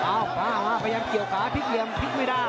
พยายามเกี่ยวขาพลิกเหลี่ยมพลิกไม่ได้